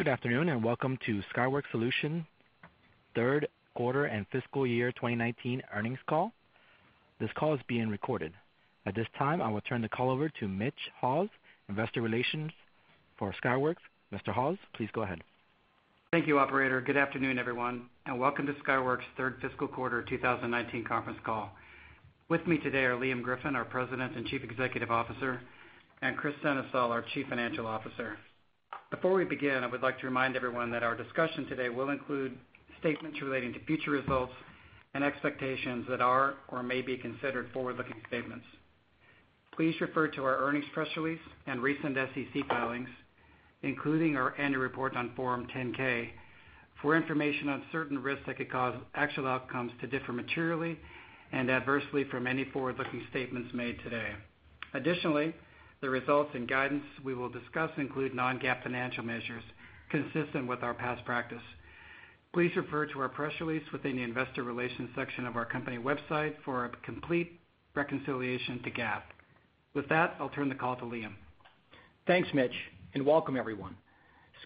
Good afternoon, and welcome to Skyworks Solutions third quarter and fiscal year 2019 earnings call. This call is being recorded. At this time, I will turn the call over to Mitch Haws, investor relations for Skyworks. Mr. Haws, please go ahead. Thank you, operator. Good afternoon, everyone, and welcome to Skyworks' third fiscal quarter 2019 conference call. With me today are Liam Griffin, our President and Chief Executive Officer, and Kris Sennesael, our Chief Financial Officer. Before we begin, I would like to remind everyone that our discussion today will include statements relating to future results and expectations that are or may be considered forward-looking statements. Please refer to our earnings press release and recent SEC filings, including our annual report on form 10-K, for information on certain risks that could cause actual outcomes to differ materially and adversely from any forward-looking statements made today. Additionally, the results and guidance we will discuss include non-GAAP financial measures consistent with our past practice. Please refer to our press release within the investor relations section of our company website for a complete reconciliation to GAAP. With that, I'll turn the call to Liam. Thanks, Mitch, and welcome everyone.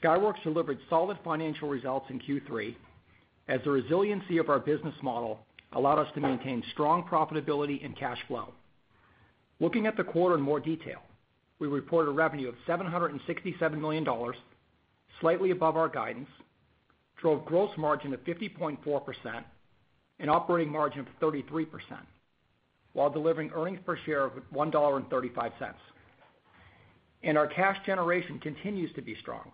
Skyworks delivered solid financial results in Q3 as the resiliency of our business model allowed us to maintain strong profitability and cash flow. Looking at the quarter in more detail, we reported revenue of $767 million, slightly above our guidance, drove gross margin to 50.4% and operating margin of 33%, while delivering earnings per share of $1.35. Our cash generation continues to be strong,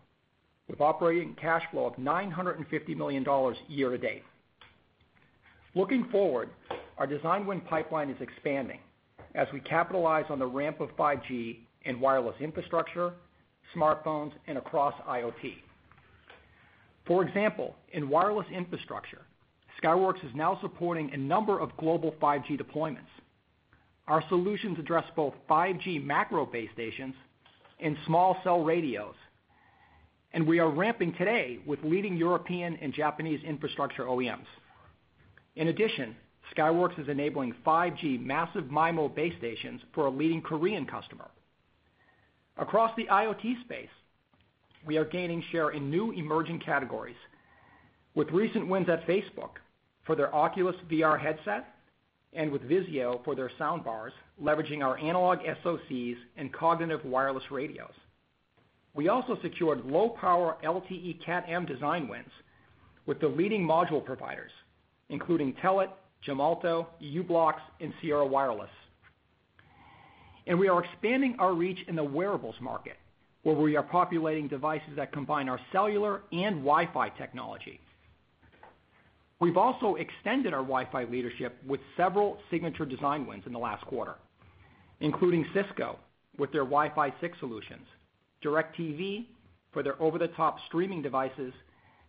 with operating cash flow of $950 million year to date. Looking forward, our design win pipeline is expanding as we capitalize on the ramp of 5G in wireless infrastructure, smartphones, and across IoT. For example, in wireless infrastructure, Skyworks is now supporting a number of global 5G deployments. Our solutions address both 5G macro base stations and small cell radios, and we are ramping today with leading European and Japanese infrastructure OEMs. In addition, Skyworks is enabling 5G massive MIMO base stations for a leading Korean customer. Across the IoT space, we are gaining share in new emerging categories with recent wins at Facebook for their Oculus VR headset and with VIZIO for their soundbars, leveraging our analog SOCs and cognitive wireless radios. We also secured low-power LTE Cat M design wins with the leading module providers, including Telit, Gemalto, u-blox, and Sierra Wireless. We are expanding our reach in the wearables market, where we are populating devices that combine our cellular and Wi-Fi technology. We've also extended our Wi-Fi leadership with several signature design wins in the last quarter, including Cisco with their Wi-Fi 6 solutions, DIRECTV for their over-the-top streaming devices,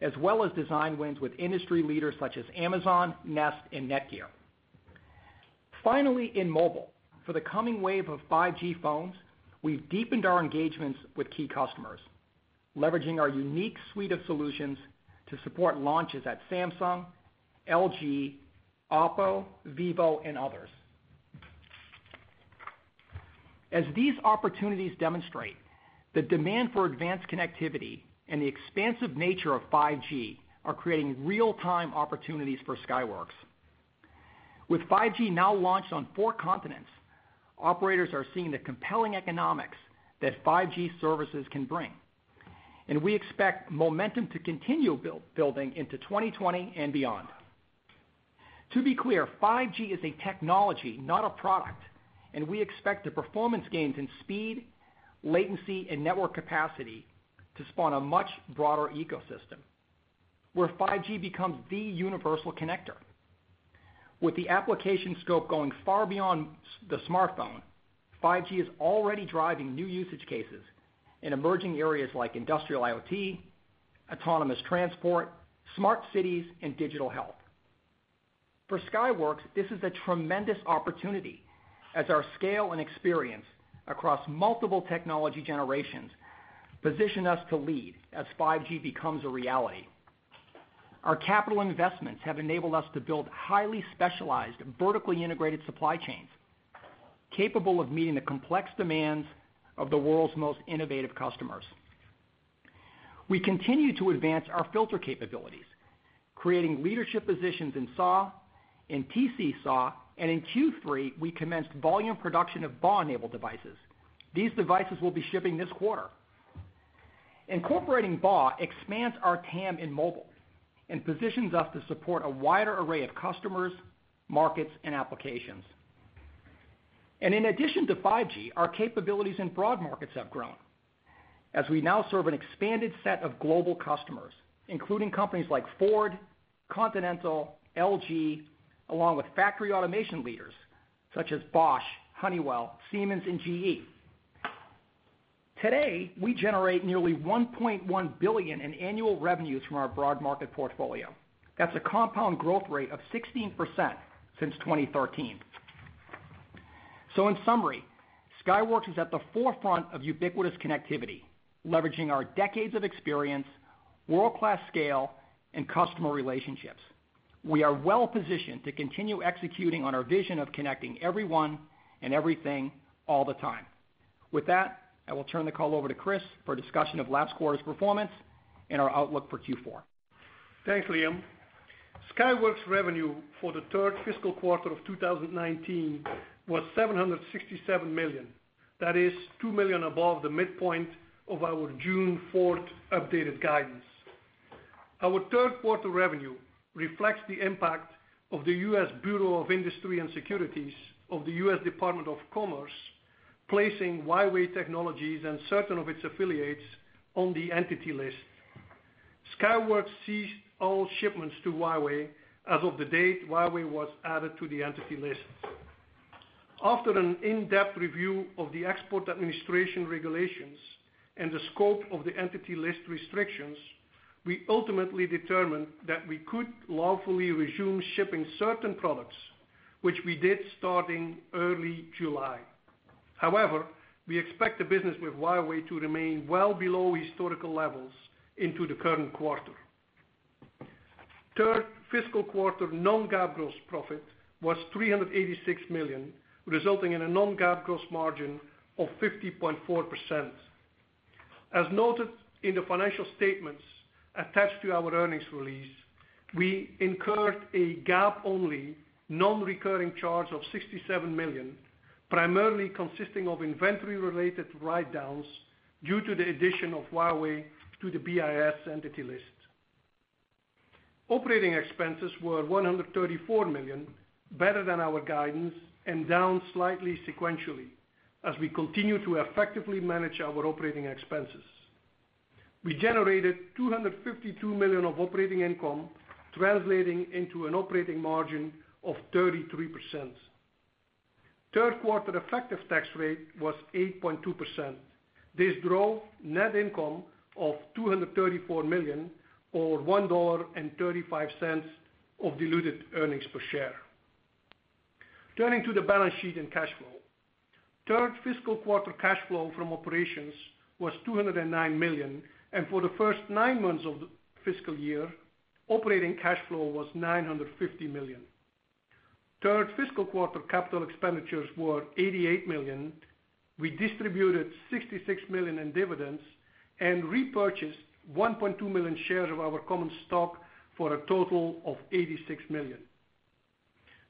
as well as design wins with industry leaders such as Amazon, Nest, and NETGEAR. Finally, in mobile, for the coming wave of 5G phones, we've deepened our engagements with key customers, leveraging our unique suite of solutions to support launches at Samsung, LG, OPPO, Vivo, and others. As these opportunities demonstrate, the demand for advanced connectivity and the expansive nature of 5G are creating real-time opportunities for Skyworks. With 5G now launched on four continents, operators are seeing the compelling economics that 5G services can bring, and we expect momentum to continue building into 2020 and beyond. To be clear, 5G is a technology, not a product, and we expect the performance gains in speed, latency, and network capacity to spawn a much broader ecosystem where 5G becomes the universal connector. With the application scope going far beyond the smartphone, 5G is already driving new usage cases in emerging areas like industrial IoT, autonomous transport, smart cities, and digital health. For Skyworks, this is a tremendous opportunity as our scale and experience across multiple technology generations position us to lead as 5G becomes a reality. Our capital investments have enabled us to build highly specialized, vertically integrated supply chains capable of meeting the complex demands of the world's most innovative customers. We continue to advance our filter capabilities, creating leadership positions in SAW, in TC-SAW. In Q3, we commenced volume production of BAW-enabled devices. These devices will be shipping this quarter. Incorporating BAW expands our TAM in mobile and positions us to support a wider array of customers, markets, and applications. In addition to 5G, our capabilities in broad markets have grown as we now serve an expanded set of global customers, including companies like Ford, Continental, LG, along with factory automation leaders such as Bosch, Honeywell, Siemens, and GE. Today, we generate nearly $1.1 billion in annual revenues from our broad market portfolio. That's a compound growth rate of 16% since 2013. In summary, Skyworks Solutions is at the forefront of ubiquitous connectivity, leveraging our decades of experience, world-class scale, and customer relationships. We are well positioned to continue executing on our vision of connecting everyone and everything all the time. With that, I will turn the call over to Kris for a discussion of last quarter's performance and our outlook for Q4. Thanks, Liam. Skyworks revenue for the third fiscal quarter of 2019 was $767 million. That is $2 million above the midpoint of our June 4th updated guidance. Our third quarter revenue reflects the impact of the U.S. Bureau of Industry and Security of the U.S. Department of Commerce, placing Huawei Technologies and certain of its affiliates on the Entity List. Skyworks ceased all shipments to Huawei as of the date Huawei was added to the Entity List. After an in-depth review of the Export Administration Regulations and the scope of the Entity List restrictions, we ultimately determined that we could lawfully resume shipping certain products, which we did starting early July. We expect the business with Huawei to remain well below historical levels into the current quarter. Third fiscal quarter non-GAAP gross profit was $386 million, resulting in a non-GAAP gross margin of 50.4%. As noted in the financial statements attached to our earnings release, we incurred a GAAP-only non-recurring charge of $67 million, primarily consisting of inventory-related write-downs due to the addition of Huawei to the BIS Entity List. Operating expenses were $134 million, better than our guidance, and down slightly sequentially as we continue to effectively manage our operating expenses. We generated $252 million of operating income, translating into an operating margin of 33%. Third quarter effective tax rate was 8.2%. This drove net income of $234 million, or $1.35 of diluted earnings per share. Turning to the balance sheet and cash flow. Third fiscal quarter cash flow from operations was $209 million, and for the first nine months of the fiscal year, operating cash flow was $950 million. Third fiscal quarter capital expenditures were $88 million. We distributed $66 million in dividends and repurchased $1.2 million shares of our common stock for a total of $86 million.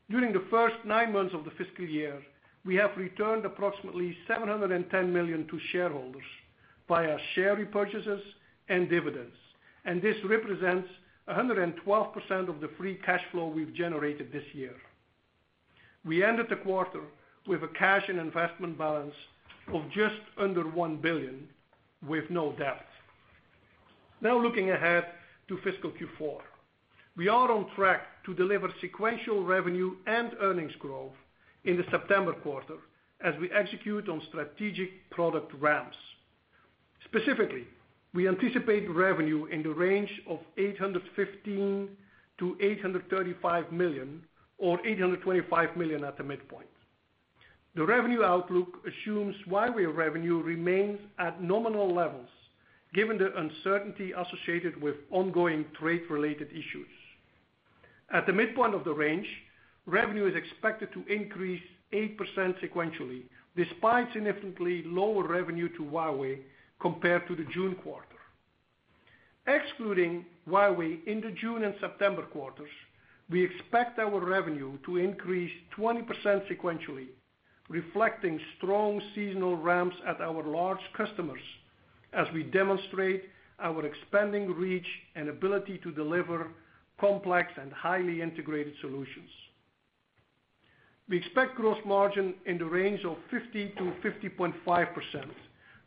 During the first nine months of the fiscal year, we have returned approximately $710 million to shareholders via share repurchases and dividends. This represents 112% of the free cash flow we've generated this year. We ended the quarter with a cash and investment balance of just under $1 billion, with no debt. Looking ahead to fiscal Q4. We are on track to deliver sequential revenue and earnings growth in the September quarter as we execute on strategic product ramps. Specifically, we anticipate revenue in the range of $815 million-$835 million or $825 million at the midpoint. The revenue outlook assumes Huawei revenue remains at nominal levels given the uncertainty associated with ongoing trade-related issues. At the midpoint of the range, revenue is expected to increase 8% sequentially, despite significantly lower revenue to Huawei compared to the June quarter. Excluding Huawei in the June and September quarters, we expect our revenue to increase 20% sequentially, reflecting strong seasonal ramps at our large customers as we demonstrate our expanding reach and ability to deliver complex and highly integrated solutions. We expect gross margin in the range of 50%-50.5%,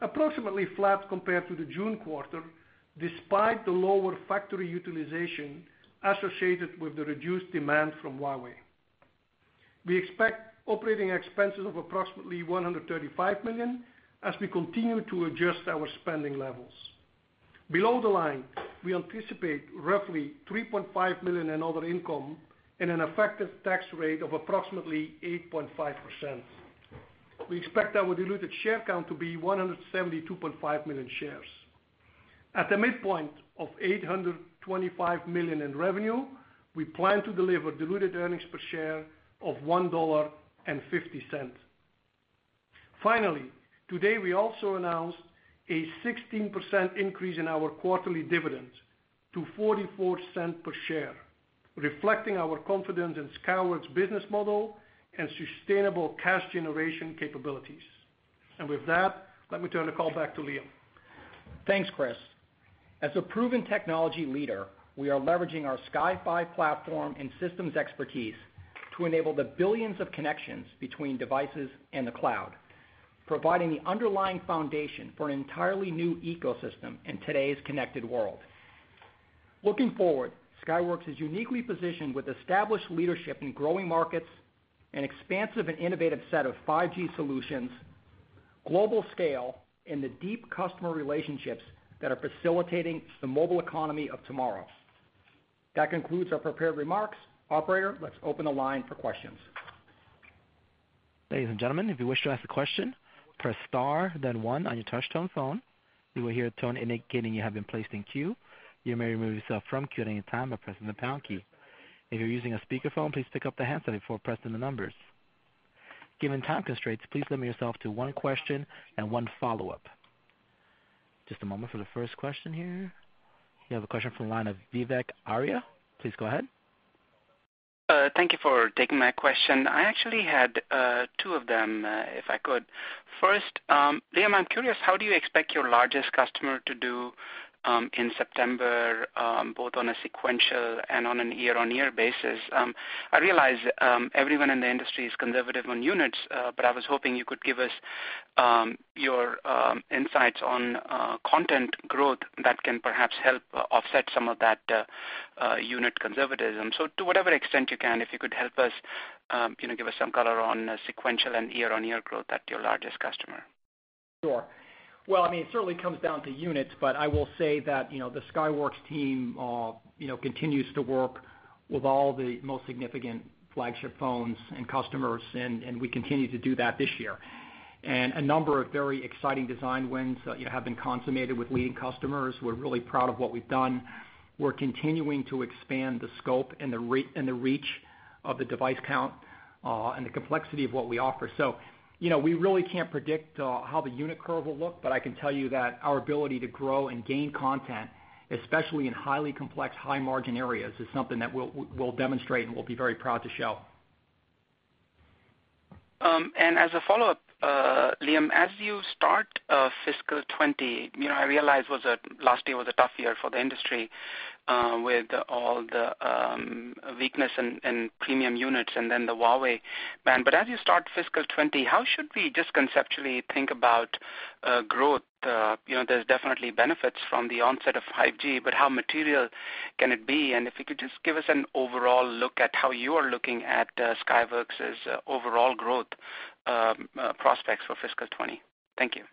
approximately flat compared to the June quarter, despite the lower factory utilization associated with the reduced demand from Huawei. We expect operating expenses of approximately $135 million as we continue to adjust our spending levels. Below the line, we anticipate roughly $3.5 million in other income and an effective tax rate of approximately 8.5%. We expect our diluted share count to be 172.5 million shares. At the midpoint of $825 million in revenue, we plan to deliver diluted earnings per share of $1.50. Today we also announced a 16% increase in our quarterly dividend to $0.44 per share, reflecting our confidence in Skyworks business model and sustainable cash generation capabilities. With that, let me turn the call back to Liam. Thanks, Kris. As a proven technology leader, we are leveraging our Sky5 platform and systems expertise to enable the billions of connections between devices and the cloud, providing the underlying foundation for an entirely new ecosystem in today's connected world. Looking forward, Skyworks is uniquely positioned with established leadership in growing markets, an expansive and innovative set of 5G solutions, global scale, and the deep customer relationships that are facilitating the mobile economy of tomorrow. That concludes our prepared remarks. Operator, let's open the line for questions. Ladies and gentlemen, if you wish to ask a question, press star then one on your touch-tone phone. You will hear a tone indicating you have been placed in queue. You may remove yourself from queue at any time by pressing the pound key. If you're using a speakerphone, please pick up the handset before pressing the numbers. Given time constraints, please limit yourself to one question and one follow-up. Just a moment for the first question here. We have a question from the line of Vivek Arya. Please go ahead. Thank you for taking my question. I actually had two of them, if I could. First, Liam, I'm curious, how do you expect your largest customer to do in September, both on a sequential and on a year-on-year basis? I realize everyone in the industry is conservative on units, but I was hoping you could give us your insights on content growth that can perhaps help offset some of that unit conservatism. To whatever extent you can, if you could help us, give us some color on sequential and year-on-year growth at your largest customer. Sure. Well, it certainly comes down to units, I will say that the Skyworks team continues to work with all the most significant flagship phones and customers, and we continue to do that this year. A number of very exciting design wins have been consummated with leading customers. We're really proud of what we've done. We're continuing to expand the scope and the reach of the device count, and the complexity of what we offer. We really can't predict how the unit curve will look, but I can tell you that our ability to grow and gain content, especially in highly complex, high-margin areas, is something that we'll demonstrate and we'll be very proud to show. As a follow-up, Liam, as you start fiscal 2020, I realize last year was a tough year for the industry with all the weakness in premium units and then the Huawei ban. As you start fiscal 2020, how should we just conceptually think about growth? There's definitely benefits from the onset of 5G, but how material can it be? If you could just give us an overall look at how you are looking at Skyworks' overall growth prospects for fiscal 2020. Thank you.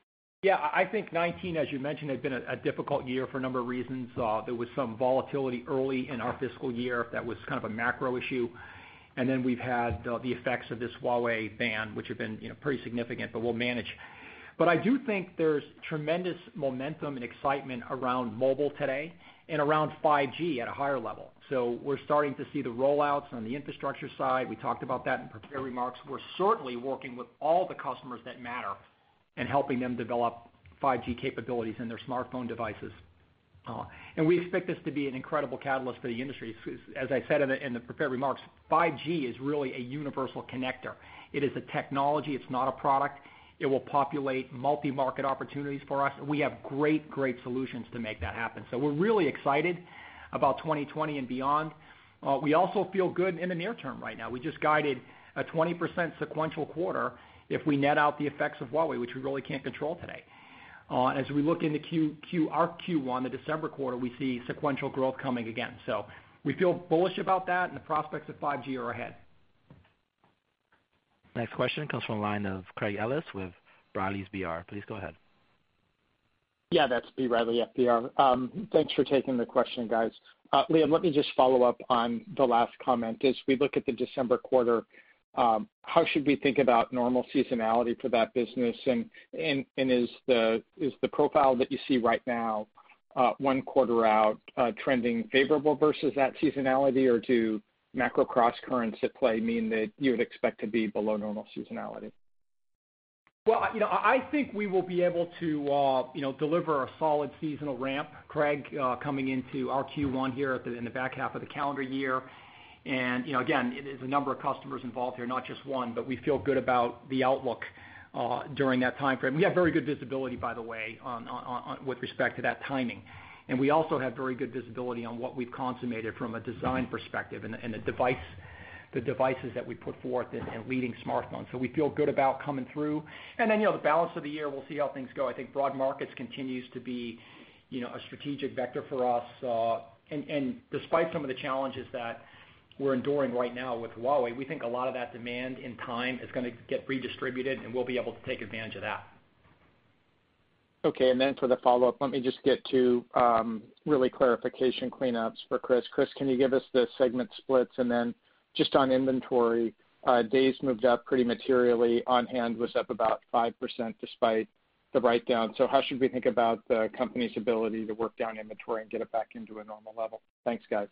Yeah, I think 2019, as you mentioned, has been a difficult year for a number of reasons. There was some volatility early in our fiscal year that was kind of a macro issue. We've had the effects of this Huawei ban, which have been pretty significant, but we'll manage. I do think there's tremendous momentum and excitement around mobile today and around 5G at a higher level. We're starting to see the rollouts on the infrastructure side. We talked about that in prepared remarks. We're certainly working with all the customers that matter and helping them develop 5G capabilities in their smartphone devices. We expect this to be an incredible catalyst for the industry. As I said in the prepared remarks, 5G is really a universal connector. It is a technology. It's not a product. It will populate multi-market opportunities for us. We have great solutions to make that happen. We're really excited about 2020 and beyond. We also feel good in the near term right now. We just guided a 20% sequential quarter if we net out the effects of Huawei, which we really can't control today. As we look into our Q1, the December quarter, we see sequential growth coming again. We feel bullish about that, and the prospects of 5G are ahead. Next question comes from the line of Craig Ellis with B. Riley FBR. Please go ahead. That's B. Riley FBR. Thanks for taking the question, guys. Liam, let me just follow up on the last comment. As we look at the December quarter, how should we think about normal seasonality for that business? Is the profile that you see right now, one quarter out, trending favorable versus that seasonality? Do macro crosscurrents at play mean that you would expect to be below normal seasonality? Well, I think we will be able to deliver a solid seasonal ramp, Craig, coming into our Q1 here in the back half of the calendar year. Again, there's a number of customers involved here, not just one, but we feel good about the outlook during that time frame. We have very good visibility, by the way, with respect to that timing. We also have very good visibility on what we've consummated from a design perspective and the devices that we put forth in leading smartphones. We feel good about coming through. The balance of the year, we'll see how things go. I think broad markets continues to be a strategic vector for us. Despite some of the challenges that we're enduring right now with Huawei, we think a lot of that demand in time is going to get redistributed, and we'll be able to take advantage of that. Okay, for the follow-up, let me just get to really clarification cleanups for Kris. Kris, can you give us the segment splits? Just on inventory, days moved up pretty materially. On-hand was up about 5% despite the write-down. How should we think about the company's ability to work down inventory and get it back into a normal level? Thanks, guys.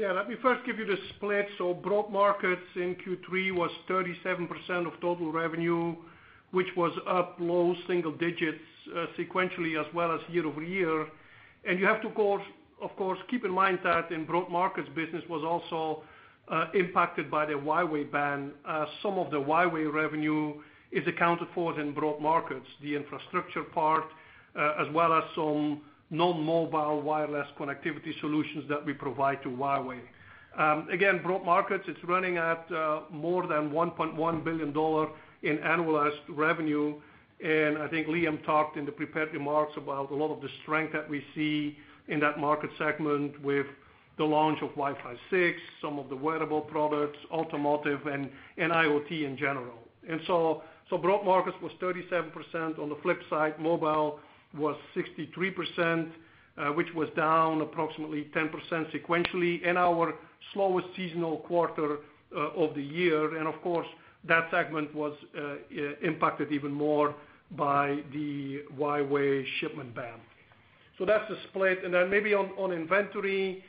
Let me first give you the split. Broad markets in Q3 was 37% of total revenue, which was up low single digits sequentially as well as year-over-year. You have to, of course, keep in mind that in broad markets business was also impacted by the Huawei ban. Some of the Huawei revenue is accounted for in broad markets, the infrastructure part, as well as some non-mobile wireless connectivity solutions that we provide to Huawei. Broad markets, it's running at more than $1.1 billion in annualized revenue, and I think Liam talked in the prepared remarks about a lot of the strength that we see in that market segment with the launch of Wi-Fi 6, some of the wearable products, automotive, and IoT in general. Broad markets was 37%. On the flip side, mobile was 63%, which was down approximately 10% sequentially in our slowest seasonal quarter of the year. Of course, that segment was impacted even more by the Huawei shipment ban. That's the split. Maybe on inventory.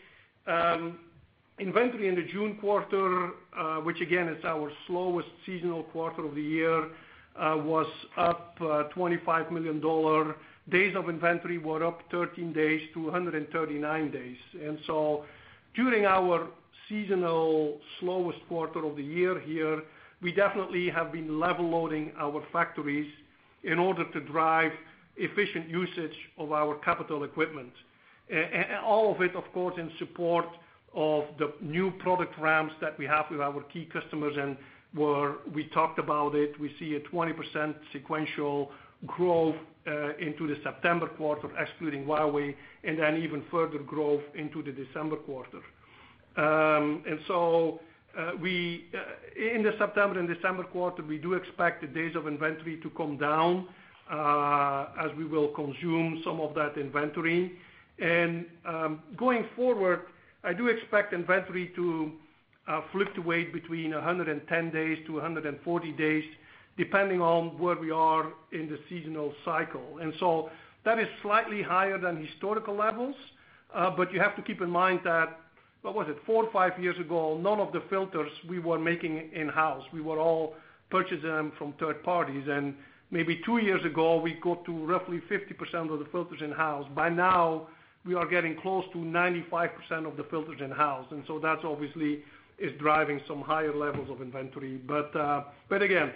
Inventory in the June quarter, which again is our slowest seasonal quarter of the year, was up $25 million. Days of inventory were up 13 days to 139 days. During our seasonal slowest quarter of the year here, we definitely have been level loading our factories in order to drive efficient usage of our capital equipment. All of it, of course, in support of the new product ramps that we have with our key customers, and we talked about it, we see a 20% sequential growth into the September quarter, excluding Huawei, and then even further growth into the December quarter. In the September and December quarter, we do expect the days of inventory to come down, as we will consume some of that inventory. Going forward, I do expect inventory to fluctuate between 110 days to 140 days, depending on where we are in the seasonal cycle. That is slightly higher than historical levels, but you have to keep in mind that, what was it? Four or five years ago, none of the filters we were making in-house. We were all purchasing them from third parties. Maybe two years ago, we got to roughly 50% of the filters in-house. By now, we are getting close to 95% of the filters in-house, and so that obviously is driving some higher levels of inventory. Again,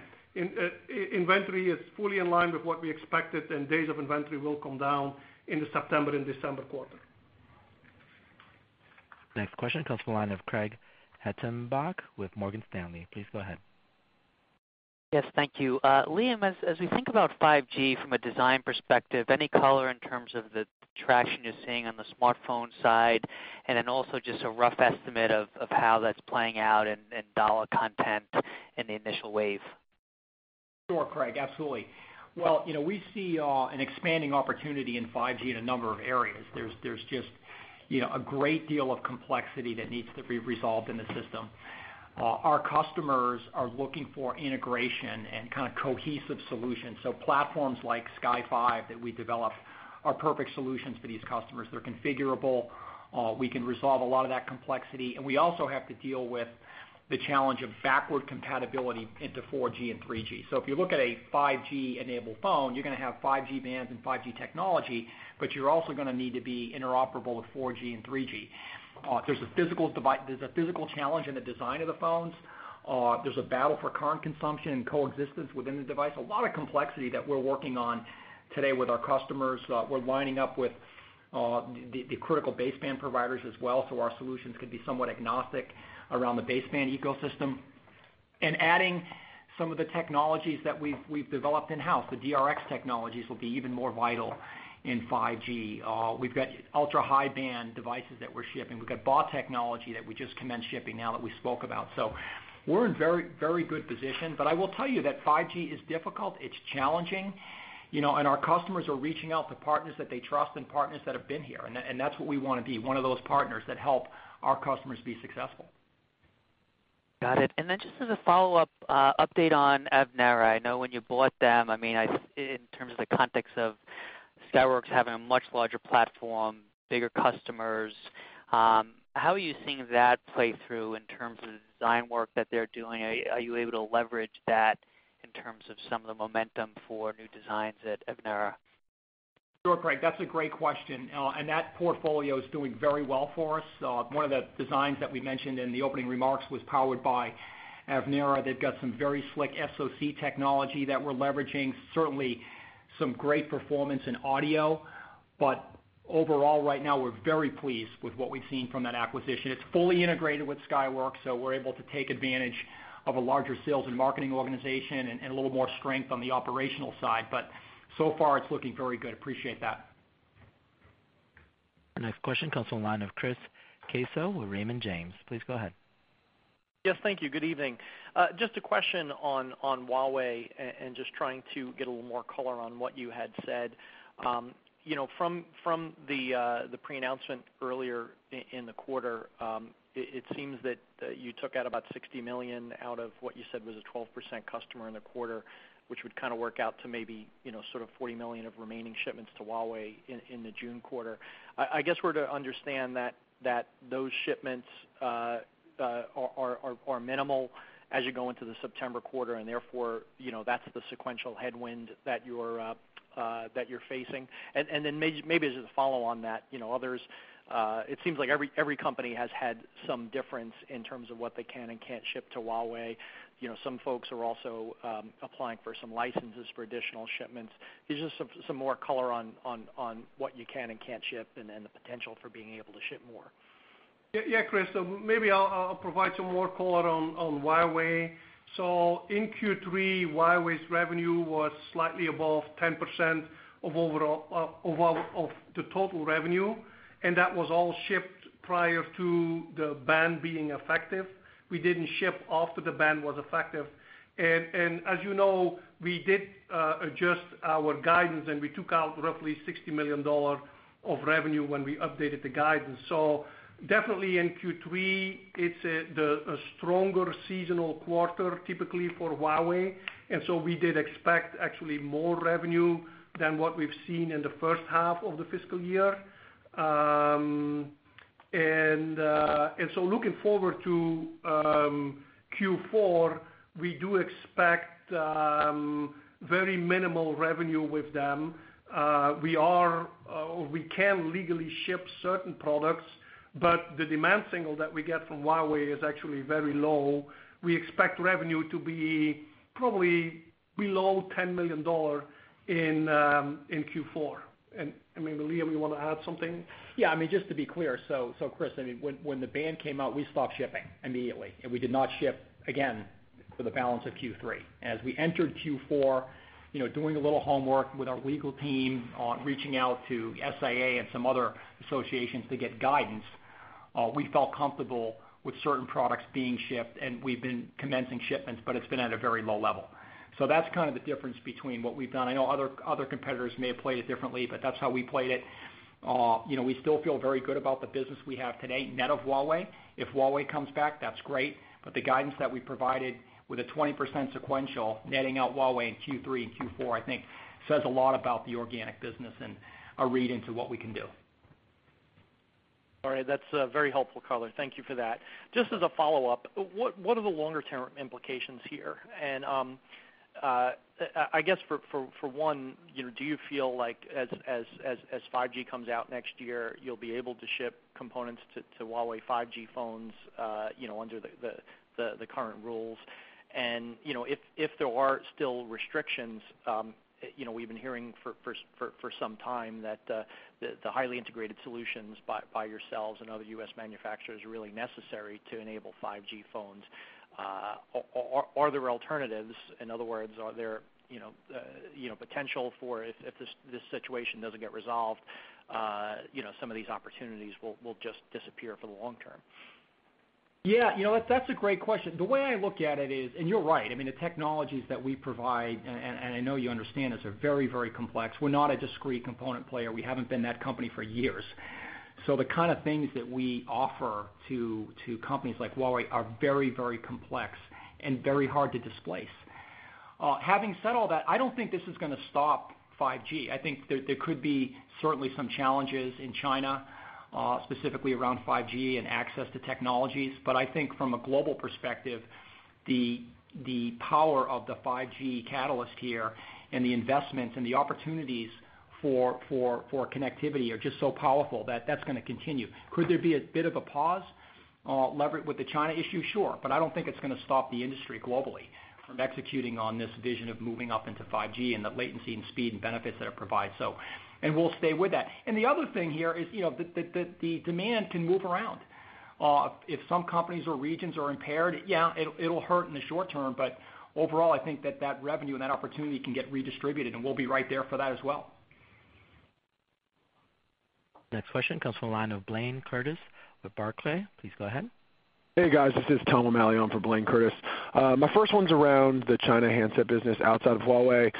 inventory is fully in line with what we expected, and days of inventory will come down in the September and December quarter. Next question comes from the line of Craig Hettenbach with Morgan Stanley. Please go ahead. Yes, thank you. Liam, as we think about 5G from a design perspective, any color in terms of the traction you're seeing on the smartphone side? Also just a rough estimate of how that's playing out in dollar content in the initial wave. Sure, Craig, absolutely. Well, we see an expanding opportunity in 5G in a number of areas. There is just a great deal of complexity that needs to be resolved in the system. Our customers are looking for integration and kind of cohesive solutions. Platforms like Sky5 that we developed are perfect solutions for these customers. They are configurable. We can resolve a lot of that complexity, and we also have to deal with the challenge of backward compatibility into 4G and 3G. If you look at a 5G-enabled phone, you are going to have 5G bands and 5G technology, but you are also going to need to be interoperable with 4G and 3G. There is a physical challenge in the design of the phones. There is a battle for current consumption and coexistence within the device. A lot of complexity that we are working on today with our customers. We're lining up with the critical baseband providers as well, so our solutions could be somewhat agnostic around the baseband ecosystem. Adding some of the technologies that we've developed in-house, the DRX technologies will be even more vital in 5G. We've got ultra-high band devices that we're shipping. We've got BAW technology that we just commenced shipping now that we spoke about. We're in very good position. I will tell you that 5G is difficult, it's challenging, and our customers are reaching out to partners that they trust and partners that have been here, and that's what we want to be, one of those partners that help our customers be successful. Got it. Then just as a follow-up, update on Avnera. I know when you bought them, in terms of the context of Skyworks having a much larger platform, bigger customers, how are you seeing that play through in terms of the design work that they're doing? Are you able to leverage that in terms of some of the momentum for new designs at Avnera? Sure, Craig, that's a great question. That portfolio is doing very well for us. One of the designs that we mentioned in the opening remarks was powered by Avnera. They've got some very slick SoC technology that we're leveraging. Certainly, some great performance in audio. Overall, right now, we're very pleased with what we've seen from that acquisition. It's fully integrated with Skyworks, so we're able to take advantage of a larger sales and marketing organization and a little more strength on the operational side. So far it's looking very good. Appreciate that. Next question comes from the line of Chris Caso with Raymond James. Please go ahead. Yes, thank you. Good evening. Just a question on Huawei, and just trying to get a little more color on what you had said. From the pre-announcement earlier in the quarter, it seems that you took out about $60 million out of what you said was a 12% customer in the quarter, which would kind of work out to maybe sort of $40 million of remaining shipments to Huawei in the June quarter. I guess we're to understand that those shipments are minimal as you go into the September quarter and therefore, that's the sequential headwind that you're facing. Then maybe just as a follow on that, others, it seems like every company has had some difference in terms of what they can and can't ship to Huawei. Some folks are also applying for some licenses for additional shipments. Can you just give some more color on what you can and can't ship and then the potential for being able to ship more? Chris, maybe I'll provide some more color on Huawei. In Q3, Huawei's revenue was slightly above 10% of the total revenue, and that was all shipped prior to the ban being effective. We didn't ship after the ban was effective. As you know, we did adjust our guidance, and we took out roughly $60 million of revenue when we updated the guidance. Definitely in Q3, it's a stronger seasonal quarter typically for Huawei, and so we did expect actually more revenue than what we've seen in the first half of the fiscal year. Looking forward to Q4, we do expect very minimal revenue with them. We can legally ship certain products, but the demand signal that we get from Huawei is actually very low. We expect revenue to be probably below $10 million in Q4. Maybe, Liam, you want to add something? Just to be clear, Chris, when the ban came out, we stopped shipping immediately, and we did not ship again for the balance of Q3. As we entered Q4, doing a little homework with our legal team on reaching out to SIA and some other associations to get guidance, we felt comfortable with certain products being shipped, and we've been commencing shipments, but it's been at a very low level. That's kind of the difference between what we've done. I know other competitors may have played it differently, but that's how we played it. We still feel very good about the business we have today, net of Huawei. If Huawei comes back, that's great, but the guidance that we provided with a 20% sequential netting out Huawei in Q3 and Q4, I think, says a lot about the organic business and a read into what we can do. All right. That's very helpful color. Thank you for that. Just as a follow-up, what are the longer-term implications here? I guess for one, do you feel like as 5G comes out next year, you'll be able to ship components to Huawei 5G phones under the current rules? If there are still restrictions, we've been hearing for some time that the highly integrated solutions by yourselves and other U.S. manufacturers are really necessary to enable 5G phones. Are there alternatives? In other words, are there potential for if this situation doesn't get resolved, some of these opportunities will just disappear for the long term? Yeah, that's a great question. The way I look at it is, and you're right, the technologies that we provide, and I know you understand this, are very complex. We're not a discrete component player. We haven't been that company for years. The kind of things that we offer to companies like Huawei are very complex and very hard to displace. Having said all that, I don't think this is going to stop 5G. I think there could be certainly some challenges in China, specifically around 5G and access to technologies. I think from a global perspective, the power of the 5G catalyst here and the investments and the opportunities for connectivity are just so powerful that that's going to continue. Could there be a bit of a pause levered with the China issue? Sure. I don't think it's going to stop the industry globally from executing on this vision of moving up into 5G and the latency and speed and benefits that it provides. We'll stay with that. The other thing here is the demand can move around. If some companies or regions are impaired, yeah, it'll hurt in the short term, but overall, I think that that revenue and that opportunity can get redistributed, and we'll be right there for that as well. Next question comes from the line of Blayne Curtis with Barclays. Please go ahead. Hey, guys. This is Tom O'Malley on for Blayne Curtis. My first one's around the China handset business outside of Huawei.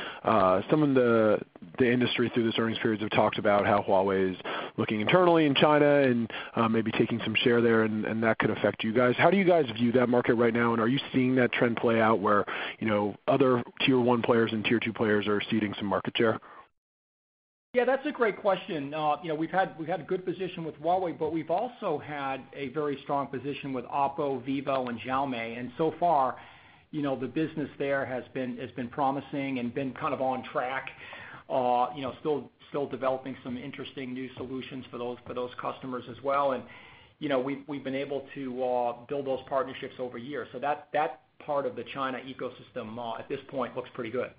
Some of the industry through this earnings periods have talked about how Huawei is looking internally in China and maybe taking some share there, and that could affect you guys. How do you guys view that market right now, and are you seeing that trend play out where other tier 1 players and tier 2 players are ceding some market share? Yeah, that's a great question. We've had a good position with Huawei, but we've also had a very strong position with OPPO, Vivo, and Xiaomi. So far, the business there has been promising and been kind of on track. Still developing some interesting new solutions for those customers as well. We've been able to build those partnerships over years. That part of the China ecosystem at this point looks pretty good.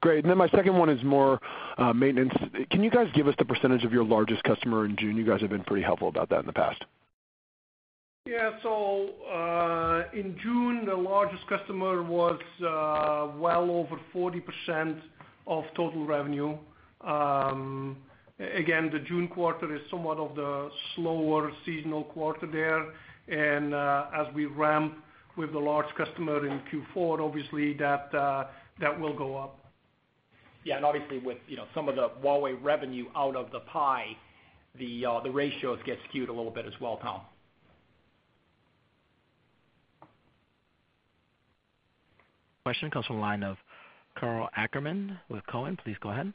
Great. My second one is more maintenance. Can you guys give us the % of your largest customer in June? You guys have been pretty helpful about that in the past. Yeah. In June, the largest customer was well over 40% of total revenue. Again, the June quarter is somewhat of the slower seasonal quarter there, and as we ramp with the large customer in Q4, obviously that will go up. Yeah, obviously with some of the Huawei revenue out of the pie, the ratios get skewed a little bit as well, Tom. Question comes from the line of Karl Ackerman with Cowen. Please go ahead.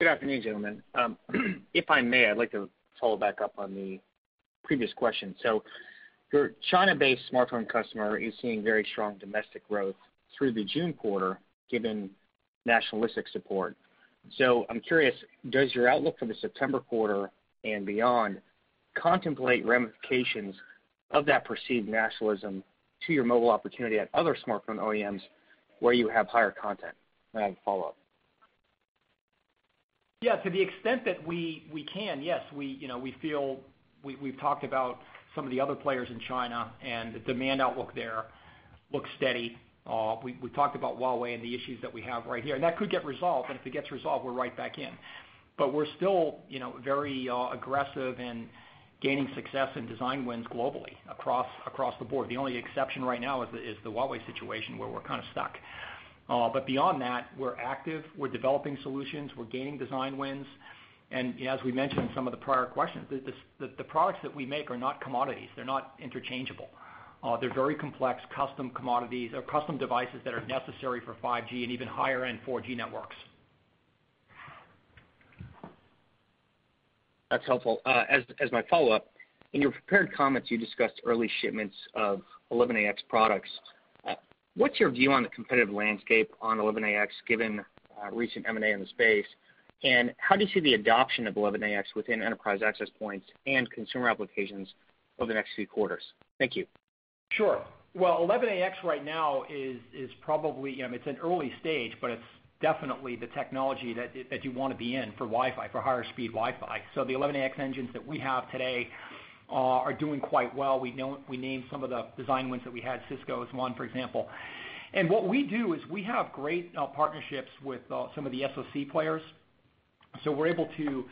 Good afternoon, gentlemen. If I may, I'd like to follow back up on the previous question. Your China-based smartphone customer is seeing very strong domestic growth through the June quarter, given nationalistic support. I'm curious, does your outlook for the September quarter and beyond contemplate ramifications of that perceived nationalism to your mobile opportunity at other smartphone OEMs where you have higher content? I have a follow-up. Yeah, to the extent that we can, yes. We've talked about some of the other players in China and the demand outlook there looks steady. We talked about Huawei and the issues that we have right here, and that could get resolved, and if it gets resolved, we're right back in. We're still very aggressive in gaining success in design wins globally across the board. The only exception right now is the Huawei situation, where we're kind of stuck. Beyond that, we're active, we're developing solutions, we're gaining design wins, and as we mentioned in some of the prior questions, the products that we make are not commodities. They're not interchangeable. They're very complex custom devices that are necessary for 5G and even higher-end 4G networks. That's helpful. As my follow-up, in your prepared comments, you discussed early shipments of 802.11ax products. What's your view on the competitive landscape on 802.11ax given recent M&A in the space? How do you see the adoption of 802.11ax within enterprise access points and consumer applications over the next few quarters? Thank you. Sure. Well, 802.11ax right now is in early stage, but it's definitely the technology that you want to be in for higher speed Wi-Fi. The 802.11ax engines that we have today are doing quite well. We named some of the design wins that we had, Cisco is one, for example. What we do is we have great partnerships with some of the SoC players. We're able to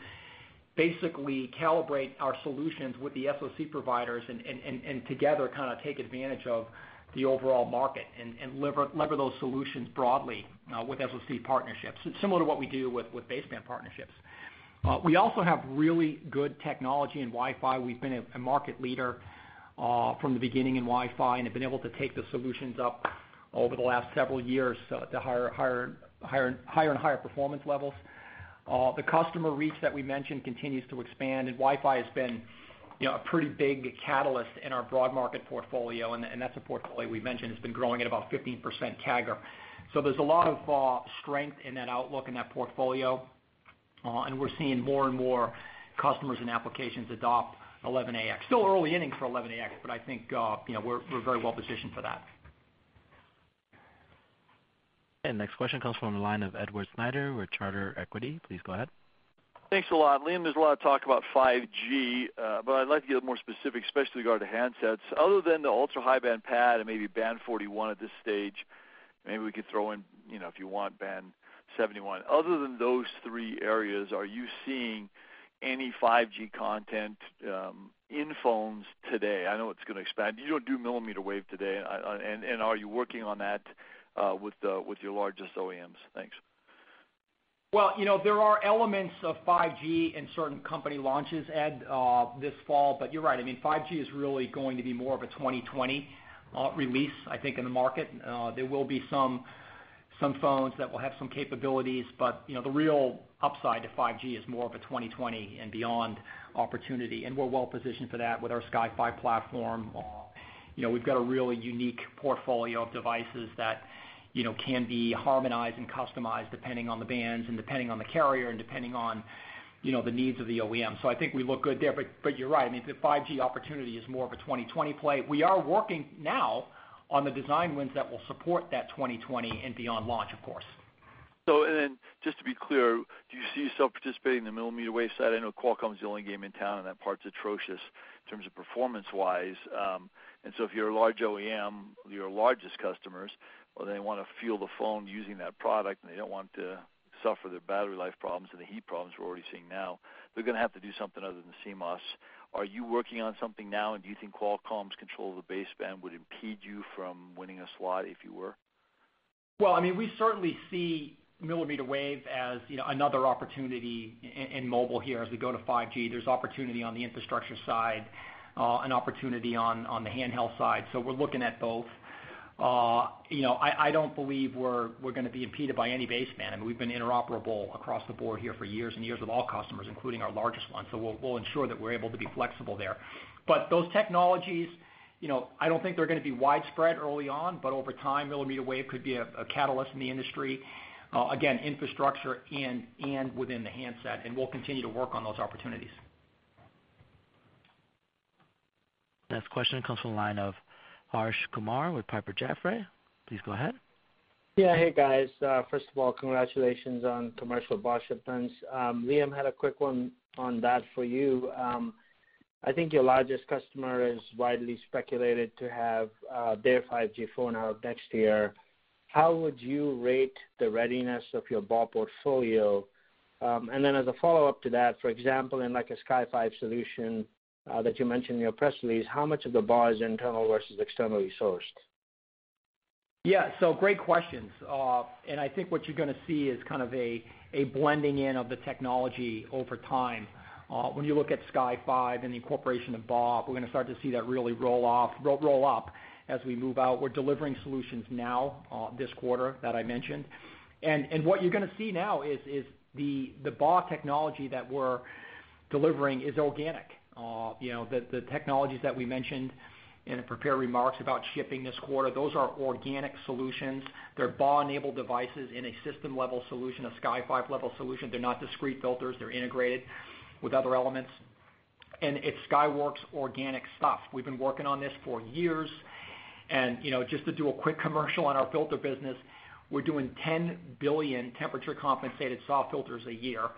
basically calibrate our solutions with the SoC providers and together take advantage of the overall market and lever those solutions broadly with SoC partnerships, similar to what we do with baseband partnerships. We also have really good technology in Wi-Fi. We've been a market leader from the beginning in Wi-Fi and have been able to take the solutions up over the last several years to higher and higher performance levels. The customer reach that we mentioned continues to expand, and Wi-Fi has been a pretty big catalyst in our broad market portfolio, and that's a portfolio we've mentioned has been growing at about 15% CAGR. There's a lot of strength in that outlook, in that portfolio, and we're seeing more and more customers and applications adopt 802.11ax. Still early innings for 802.11ax, but I think we're very well-positioned for that. Next question comes from the line of Edward Snyder with Charter Equity. Please go ahead. Thanks a lot, Liam. There's a lot of talk about 5G, but I'd like to get more specific, especially regarding the handsets. Other than the ultra-high band PA and maybe Band 41 at this stage, maybe we could throw in, if you want, Band 71. Other than those three areas, are you seeing any 5G content in phones today? I know it's going to expand. You don't do millimeter wave today. Are you working on that with your largest OEMs? Thanks. Well, there are elements of 5G in certain company launches, Ed, this fall, but you're right. 5G is really going to be more of a 2020 release, I think, in the market. There will be some phones that will have some capabilities, but the real upside to 5G is more of a 2020 and beyond opportunity, and we're well-positioned for that with our Sky5 platform. We've got a really unique portfolio of devices that can be harmonized and customized depending on the bands and depending on the carrier and depending on the needs of the OEM. I think we look good there. You're right, the 5G opportunity is more of a 2020 play. We are working now on the design wins that will support that 2020 and beyond launch, of course. Just to be clear, do you see yourself participating in the millimeter wave side? I know Qualcomm's the only game in town, and that part's atrocious in terms of performance-wise. If you're a large OEM, your largest customers, they want to feel the phone using that product, and they don't want to suffer the battery life problems and the heat problems we're already seeing now. They're going to have to do something other than CMOS. Are you working on something now, and do you think Qualcomm's control of the baseband would impede you from winning a slot if you were? Well, we certainly see millimeter wave as another opportunity in mobile here as we go to 5G. There's opportunity on the infrastructure side, an opportunity on the handheld side. We're looking at both. I don't believe we're going to be impeded by any baseband, and we've been interoperable across the board here for years and years with all customers, including our largest ones. We'll ensure that we're able to be flexible there. Those technologies, I don't think they're going to be widespread early on, but over time, millimeter wave could be a catalyst in the industry, again, infrastructure and within the handset, and we'll continue to work on those opportunities. Next question comes from the line of Harsh Kumar with Piper Jaffray. Please go ahead. Yeah. Hey, guys. First of all, congratulations on commercial BAW shipments. Liam, had a quick one on that for you. I think your largest customer is widely speculated to have their 5G phone out next year. How would you rate the readiness of your BAW portfolio? As a follow-up to that, for example, in like a Sky5 solution that you mentioned in your press release, how much of the BAW is internal versus externally sourced? Yeah. Great questions. I think what you're going to see is kind of a blending in of the technology over time. When you look at Sky5 and the incorporation of BAW, we're going to start to see that really roll up as we move out. We're delivering solutions now this quarter that I mentioned. What you're going to see now is the BAW technology that we're delivering is organic. The technologies that we mentioned in the prepared remarks about shipping this quarter, those are organic solutions. They're BAW-enabled devices in a system-level solution, a Sky5-level solution. They're not discrete filters. They're integrated with other elements. It's Skyworks organic stuff. We've been working on this for years. Just to do a quick commercial on our filter business, we're doing 10 billion temperature compensated SAW filters a year.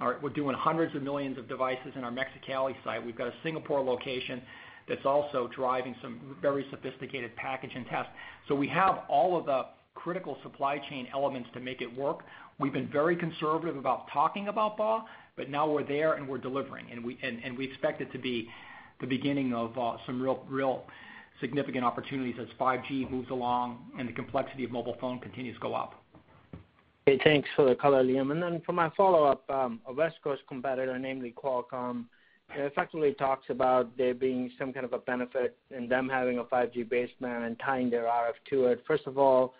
All right. We're doing hundreds of millions of devices in our Mexicali site. We've got a Singapore location that's also driving some very sophisticated package and test. We have all of the critical supply chain elements to make it work. We've been very conservative about talking about BAW, but now we're there and we're delivering, and we expect it to be the beginning of some real significant opportunities as 5G moves along and the complexity of mobile phone continues to go up. Okay. Thanks for the color, Liam. For my follow-up, a West Coast competitor, namely Qualcomm, effectively talks about there being some kind of a benefit in them having a 5G baseband and tying their RF to it. First of all,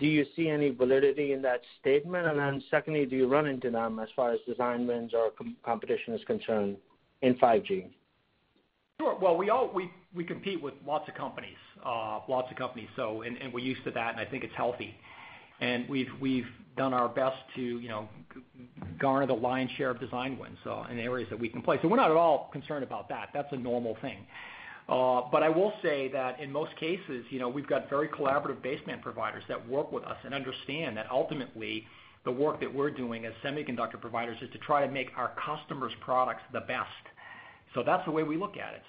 do you see any validity in that statement? Secondly, do you run into them as far as design wins or competition is concerned in 5G? We compete with lots of companies, and we're used to that, and I think it's healthy. We've done our best to garner the lion's share of design wins in the areas that we can play. We're not at all concerned about that. That's a normal thing. I will say that in most cases, we've got very collaborative baseband providers that work with us and understand that ultimately, the work that we're doing as semiconductor providers is to try to make our customers' products the best. That's the way we look at it.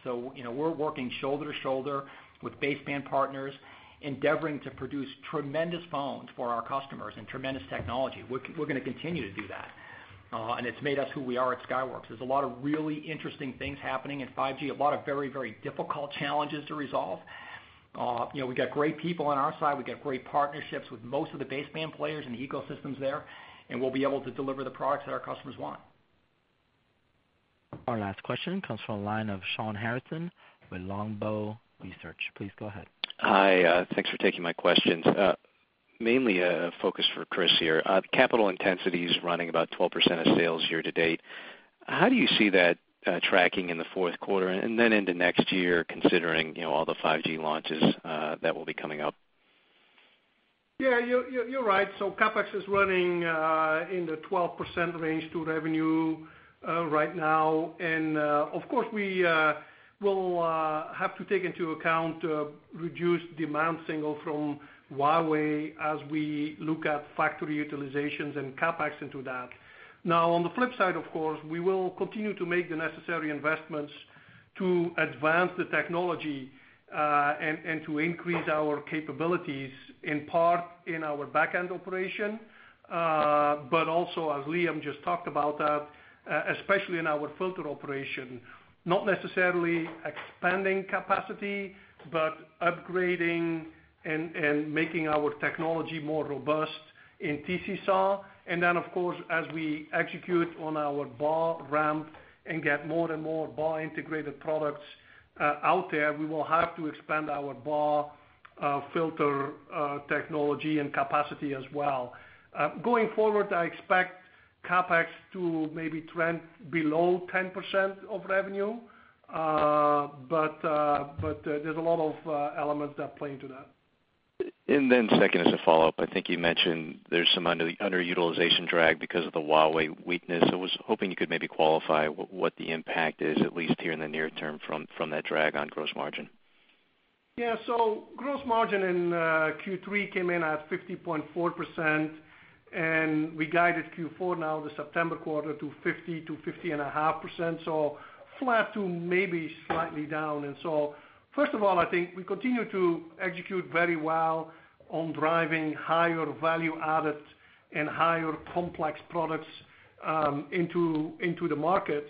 We're working shoulder to shoulder with baseband partners, endeavoring to produce tremendous phones for our customers and tremendous technology. We're going to continue to do that. It's made us who we are at Skyworks. There's a lot of really interesting things happening in 5G, a lot of very, very difficult challenges to resolve. We've got great people on our side. We've got great partnerships with most of the baseband players and the ecosystems there. We'll be able to deliver the products that our customers want. Our last question comes from the line of Shawn Harrison with Longbow Research. Please go ahead. Hi. Thanks for taking my questions. Mainly a focus for Kris here. Capital intensity is running about 12% of sales year to date. How do you see that tracking in the fourth quarter and then into next year, considering all the 5G launches that will be coming up? Yeah, you're right. CapEx is running in the 12% range to revenue right now. Of course, we will have to take into account a reduced demand signal from Huawei as we look at factory utilizations and CapEx into that. On the flip side, of course, we will continue to make the necessary investments to advance the technology, and to increase our capabilities, in part in our back-end operation. Also, as Liam just talked about, especially in our filter operation, not necessarily expanding capacity, but upgrading and making our technology more robust in TC-SAW. Of course, as we execute on our BAW ramp and get more and more BAW integrated products out there, we will have to expand our BAW filter technology and capacity as well. Going forward, I expect CapEx to maybe trend below 10% of revenue. There's a lot of elements that play into that. Second, as a follow-up, I think you mentioned there's some underutilization drag because of the Huawei weakness. I was hoping you could maybe qualify what the impact is, at least here in the near term, from that drag on gross margin. Yeah. Gross margin in Q3 came in at 50.4%. We guided Q4 now, the September quarter, to 50%-50.5%, so flat to maybe slightly down. First of all, I think we continue to execute very well on driving higher value added and higher complex products into the market.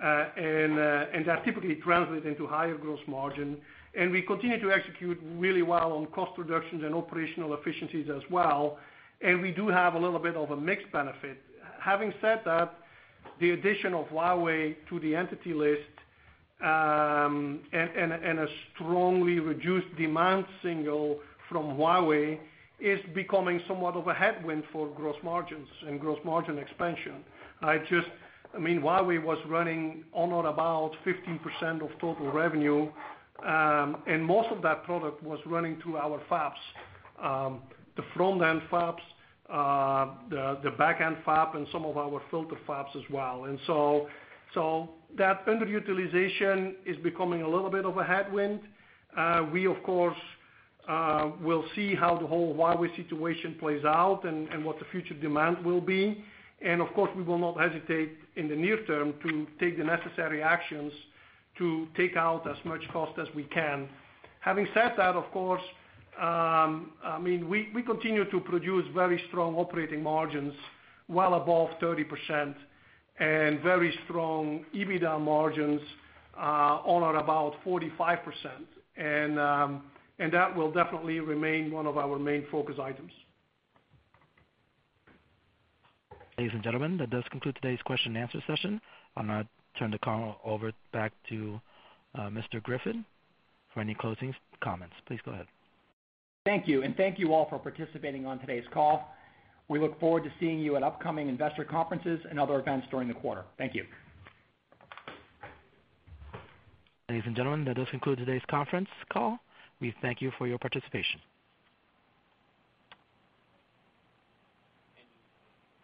That typically translates into higher gross margin. We continue to execute really well on cost reductions and operational efficiencies as well. We do have a little bit of a mix benefit. Having said that, the addition of Huawei to the Entity List, and a strongly reduced demand signal from Huawei, is becoming somewhat of a headwind for gross margins and gross margin expansion. Huawei was running on or about 15% of total revenue, most of that product was running through our fabs, the front-end fabs, the back-end fab, and some of our filter fabs as well. That underutilization is becoming a little bit of a headwind. We of course will see how the whole Huawei situation plays out and what the future demand will be. Of course, we will not hesitate in the near term to take the necessary actions to take out as much cost as we can. Having said that, of course, we continue to produce very strong operating margins well above 30% and very strong EBITDA margins on or about 45%. That will definitely remain one of our main focus items. Ladies and gentlemen, that does conclude today's question and answer session. I am going to turn the call over back to Mr. Griffin for any closing comments. Please go ahead. Thank you, and thank you all for participating on today's call. We look forward to seeing you at upcoming investor conferences and other events during the quarter. Thank you. Ladies and gentlemen, that does conclude today's conference call. We thank you for your participation.